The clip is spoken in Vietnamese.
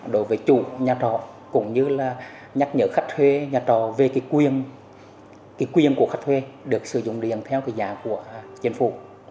đối với chủ nhà trọ cũng như là nhắc nhở khách thuê nhà trọ về cái quyền của khách thuê được sử dụng điện theo cái giá của chính phủ